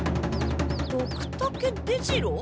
ドクタケ出城？